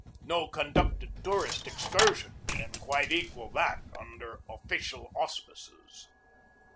No conducted tourist ex cursion can quite equal that under official auspices.